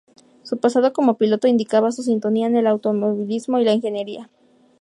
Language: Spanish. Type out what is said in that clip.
Su pasado como piloto indicaba su sintonía con el automovilismo y la ingeniería.